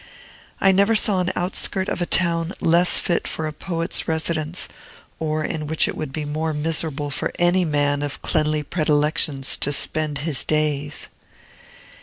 I never saw an outskirt of a town less fit for a poet's residence, or in which it would be more miserable for any man of cleanly predilections to spend his days.